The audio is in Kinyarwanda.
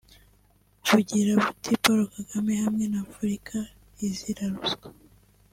bugira buti “Paul Kagame hamwe na Afurika izira ruswa”